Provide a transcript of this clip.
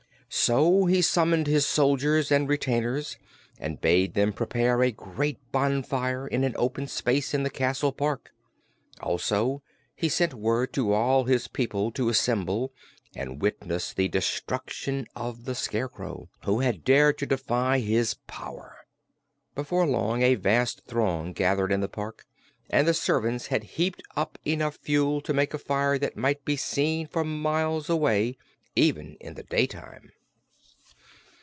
So he summoned his soldiers and retainers and bade them prepare a great bonfire in an open space in the castle park. Also he sent word to all his people to assemble and witness the destruction of the Scarecrow who had dared to defy his power. Before long a vast throng gathered in the park and the servants had heaped up enough fuel to make a fire that might be seen for miles away even in the daytime.